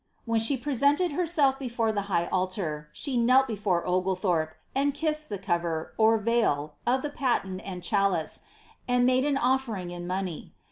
When ■he presented her«elf before the high sliar, she kndl brr»re Oglriliorpe, sod kissed the cover (cfi/J of the paten and chalice, atiU made nn otfer ing in money.